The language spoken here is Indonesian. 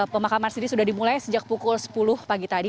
pemakaman sendiri sudah dimulai sejak pukul sepuluh pagi tadi